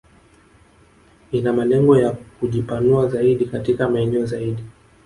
Ina malengo ya kujipanua zaidi katika maeneo zaidi